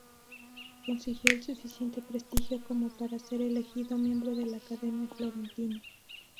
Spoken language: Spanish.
Consiguió el suficiente prestigio como para ser elegido miembro de la Academia Florentina.